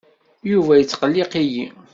Yuba yettqelliq-iyi.